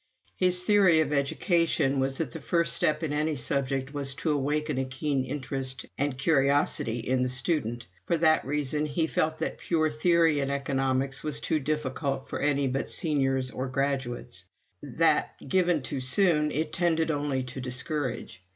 His theory of education was that the first step in any subject was to awaken a keen interest and curiosity in the student; for that reason he felt that pure theory in Economics was too difficult for any but seniors or graduates; that, given too soon, it tended only to discourage.